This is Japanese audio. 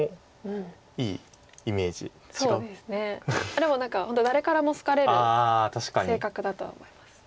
でも何か本当誰からも好かれる性格だとは思います。